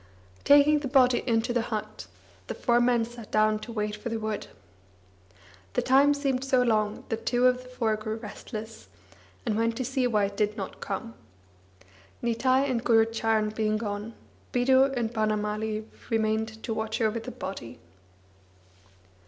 Taking the body into the hut, the four men sat down to wait for the wood. The time seemed so long that two of the four grew restless, and went to see why it did not come. Nitai and Gurucharan being gone, Bidhu and Banamali remained to watch over the body.